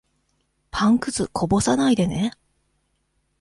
パンくず、こぼさないでね。